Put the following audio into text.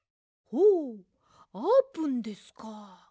ほうあーぷんですか！